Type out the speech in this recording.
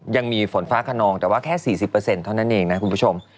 ยังมีฝนฟ้าขนองแต่ว่าแค่๔๐เท่านั้นเองนะคุณผู้ชม